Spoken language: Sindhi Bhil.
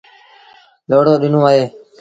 لوڙو ڏيݩوٚن اهي۔